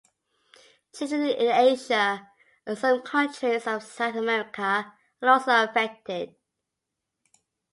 Children in Asia and some countries of South America are also affected.